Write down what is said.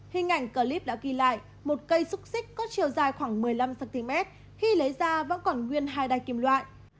hình ảnh clip đã ghi lại một cây xúc xích có chiều dài khoảng một mươi năm cm khi lấy ra vẫn còn nguyên hai đai kim loại